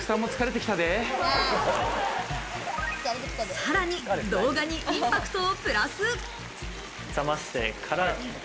さらに、動画にインパクトをプラス。